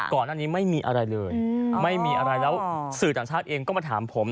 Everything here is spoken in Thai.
ก่อนอันนี้ไม่มีอะไรเลยแล้วสื่อต่างชาติเองก็มาถามผม